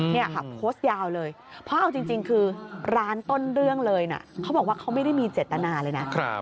นี่ค่ะโพสต์ยาวเลยเพราะเอาจริงคือร้านต้นเรื่องเลยนะเขาบอกว่าเขาไม่ได้มีเจตนาเลยนะ